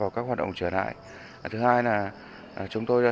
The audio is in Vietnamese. có những phát động xấu